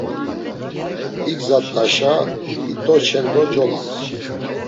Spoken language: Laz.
İgzat̆aşa it̆oçen do colams.